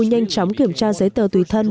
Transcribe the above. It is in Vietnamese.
nhanh chóng kiểm tra giấy tờ tùy thân